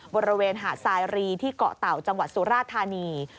บริเวณหาดสายรีที่เกาะเต่าจังหวัดสุราธานี